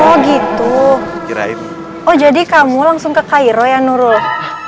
oh gitu oh jadi kamu langsung ke cairo ya nurul